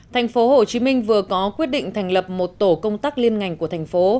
thành phố hồ chí minh vừa có quyết định thành lập một tổ công tác liên ngành của thành phố